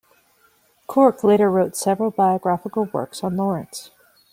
Corke later wrote several biographical works on Lawrence.